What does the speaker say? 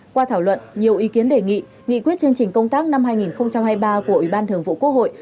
qua thảo luận nhiều ý kiến đề nghị nghị quyết chương trình công tác năm hai nghìn hai mươi ba của ủy ban thường vụ quốc hội